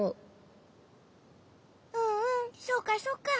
うんうんそうかそうか。